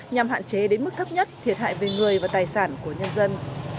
nhằm hạn chế đến mức thấp nhất thiệt hại về người và tài sản của nhân dân